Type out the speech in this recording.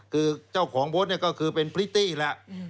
คือเจ้าของบทก็คือเป็นพริตตี้แล้ว